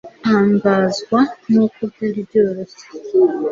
ntangazwa nuko byari byoroshye